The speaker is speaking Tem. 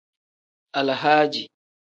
Alahadi.